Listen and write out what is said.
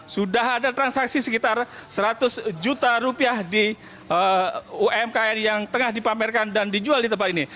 sudah ada transaksi sekitar seratus juta rupiah di umkm yang tengah dipamerkan dan dijual di tempat ini